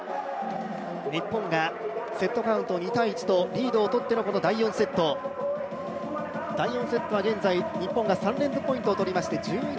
日本がさセットカウント２−１とリードを取ってのこの第４セット、第４セットは現在、日本が３連続ポイントを取りまして１１−７。